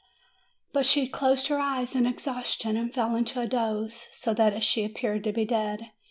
But she closed her eyes in exhaustion, and fell into a doze, so that she appeared to be dead.